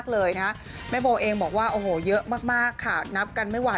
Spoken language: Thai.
คิดถึงค่ะหนูก็คิดถึงน้องหนูด้วยค่ะ